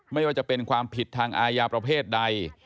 ไม่ว่าจะเป็นความผิดทางอาญาประเภทใด